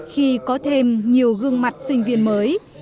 khi có thêm nhiều gương mặt sinh viên mới